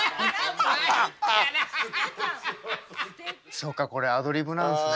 そっかこれアドリブなんですね。